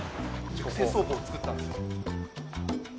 熟成倉庫を作ったんですよ。